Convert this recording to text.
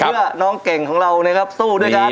เพื่อน้องเก่งของเรานะครับสู้ด้วยกัน